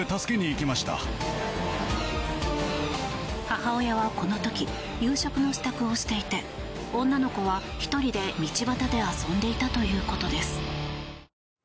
母親はこの時夕食の支度をしていて女の子は１人で道端で遊んでいたということです。